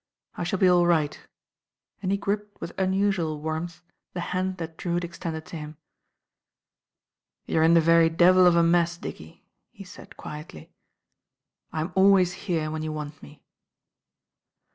"I shall be all right," and he gripped with unusual warmth the hand that Drewitt extended to him. "You're in the very devil of a mess, Dickie," he said quietly. "I'm always here when you want me."